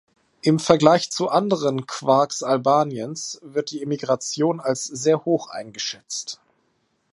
Im Vergleich zu anderen Qarks Albaniens wird die Emigration als sehr hoch eingeschätzt.